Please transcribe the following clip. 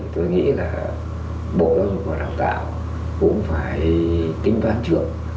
tôi nghĩ là bộ lao dục và đào tạo cũng phải tính toán trường